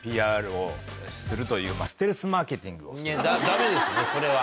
ダメですそれは。